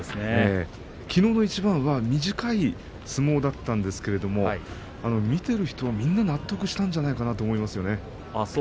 きのうの一番は短い相撲だったんですけれど見ている人はみんな、納得したんじゃないかなと思いますね。